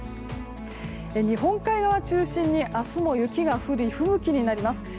日本海側中心に明日も雪が降り吹雪になります。